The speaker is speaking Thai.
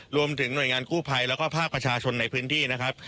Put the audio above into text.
รวมถึงหน่วยงานกู้ภัยแล้วก็ภาคประชาชนในพื้นที่นะครับ